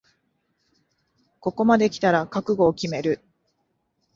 ここまできたら覚悟を決める